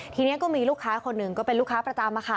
ทีนี้ก็มีลูกค้าคนหนึ่งก็เป็นลูกค้าประจำ